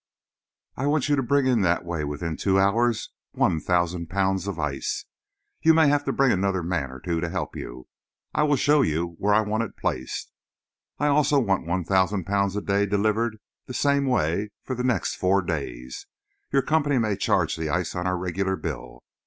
I want you to bring in that way within two hours 1,000 pounds of ice. You may have to bring another man or two to help you. I will show you where I want it placed. I also want 1,000 pounds a day delivered the same way for the next four days. Your company may charge the ice on our regular bill.